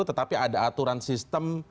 tetapi ada aturan sistem